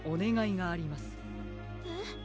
えっ？